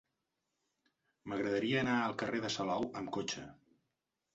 M'agradaria anar al carrer de Salou amb cotxe.